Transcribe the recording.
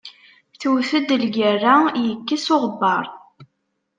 Tewwet-d lgerra, yekkes uɣebbar.